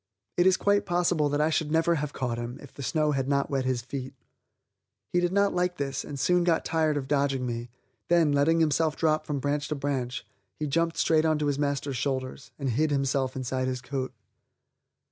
It is quite possible that I should never have caught him if the snow had not wet his feet. He did not like this and soon got tired of dodging me; then, letting himself drop from branch to branch, he jumped straight onto his master's shoulders and hid himself inside his coat.